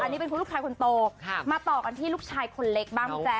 อันนี้เป็นคุณลูกชายคนโตมาต่อกันที่ลูกชายคนเล็กบ้างพี่แจ๊